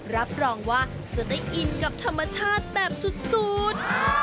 รับรองว่าจะได้อินกับธรรมชาติแบบสุด